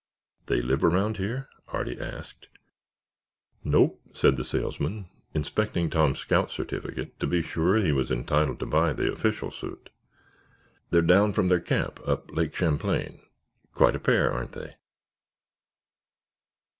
"They live around here?" Artie asked. "No," said the salesman, inspecting Tom's scout certificate to be sure that he was entitled to buy the official suit. "They're down from their camp up Lake Champlain. Quite a pair, aren't they?"